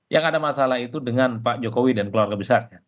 yang ada masalah itu dengan pak jokowi dan keluarga besarnya